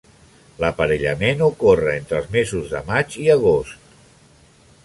L'aparellament ocorre entre els mesos de maig i agost.